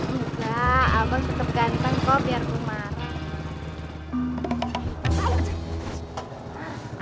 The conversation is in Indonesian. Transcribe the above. enggak abang tetep ganteng kok biar gue marah